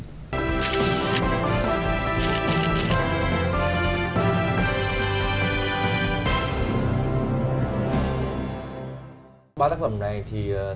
ba tác phẩm này thì tôi thấy là mỗi tác phẩm có những yếu tố khác nhau